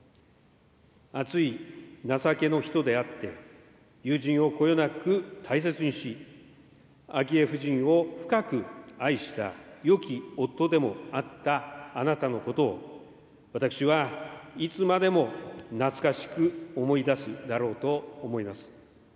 熱い情けの人であって、友人をこよなく大切にし、昭恵夫人を深く愛したよき夫でもあったあなたのことを、私はいつまでも懐かしく思い出すだろうと思います。